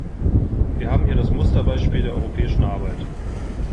Wir haben hier das Musterbeispiel der europäischen Arbeit.